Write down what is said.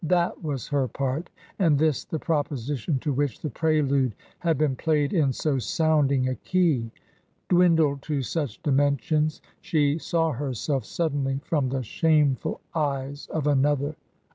That was her part, and this the proposition to which the prelude had been played in so sounding a key. Dwindled to such dimensions, she saw herself sud denly from the shameful eyes of another.